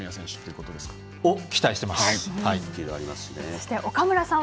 それを期待しています。